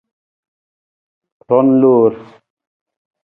Roon loor.